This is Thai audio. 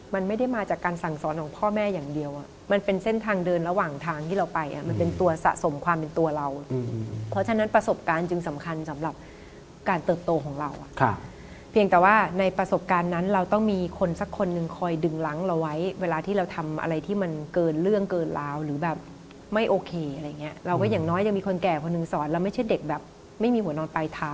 มันไม่ได้มาจากการสั่งสอนของพ่อแม่อย่างเดียวมันเป็นเส้นทางเดินระหว่างทางที่เราไปมันเป็นตัวสะสมความเป็นตัวเราเพราะฉะนั้นประสบการณ์จึงสำคัญสำหรับการเติบโตของเราเพียงแต่ว่าในประสบการณ์นั้นเราต้องมีคนสักคนหนึ่งคอยดึงหลังเราไว้เวลาที่เราทำอะไรที่มันเกินเรื่องเกินร้าวหรือแบบไม่โอเคอะไรอย่างนี้เราก